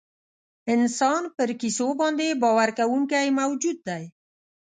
انسان پر کیسو باندې باور کوونکی موجود دی.